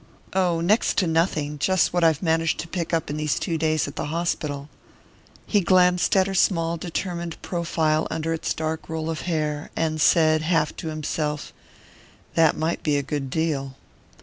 "Oh, next to nothing. Just what I've managed to pick up in these two days at the hospital." He glanced at her small determined profile under its dark roll of hair, and said, half to himself: "That might be a good deal."